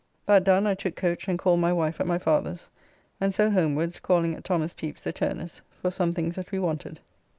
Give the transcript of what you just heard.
That done, I took coach, and called my wife at my father's, and so homewards, calling at Thos. Pepys the turner's for some things that we wanted.